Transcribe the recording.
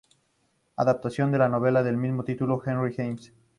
Adaptación de la novela del mismo título de Henry James.